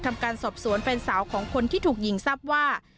ทำการสอบสวนแฟนสาวของคนที่ถูกยิงทราบว่า